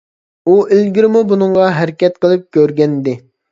ئۇ ئىلگىرىمۇ بۇنىڭغا ھەرىكەت قىلىپ كۆرگەنىدى.